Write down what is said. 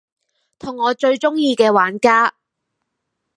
同我最鍾意嘅玩家